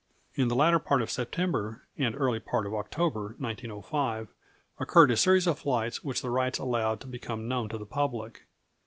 In the latter part of September and early part of October, 1905, occurred a series of flights which the Wrights allowed to become known to the public.